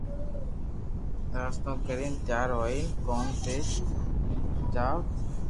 ناݾتو ڪرين تيار ھوئين ڪوم تي جاوُث